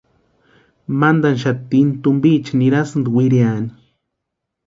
Mantani xatini tumpiicha nirasïnti wiriani.